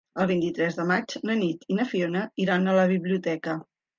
El vint-i-tres de maig na Nit i na Fiona iran a la biblioteca.